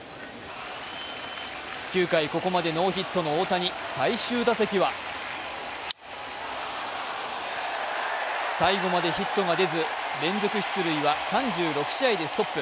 ９回、ここまでノーヒットの大谷最終打席は最後までヒットが出ず連続出塁は３６試合でストップ。